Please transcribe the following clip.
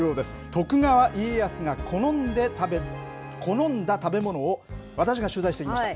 徳川家康が好んだ食べ物を私が取材してきました。